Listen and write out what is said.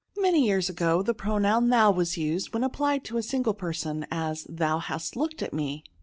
Many years ago the pronoun * thou* was used when applied to a single person ; as, thou hast looked at me.